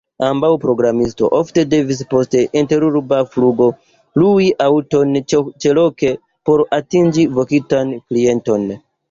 Ambaŭ programistoj ofte devis post interurba flugo lui aŭton ĉeloke por atingi vokintan klienton.